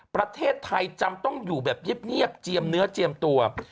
ประเทศไทยจำต้องอยู่แบบเงียบเจียมเนื้อเจียมตัว